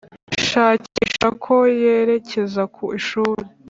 shakisha ko yerekeza ku ishuri.